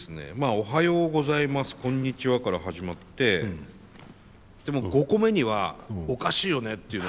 「おはようございますこんにちは」から始まって５個目には「おかしいよね」っていう。